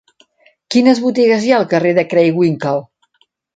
Quines botigues hi ha al carrer de Craywinckel?